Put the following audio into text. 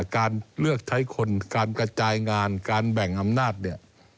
การเลือกใช้คนการกระจายงานการแบ่งอำนาจเนี่ย